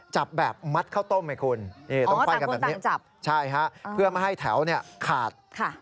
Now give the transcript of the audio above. จับแบบมัดเข้าต้มไหมคุณต้องไฟกันแบบนี้เพื่อมาให้แถวขาด